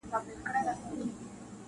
له یوه کونجه تر بله پوري تلله-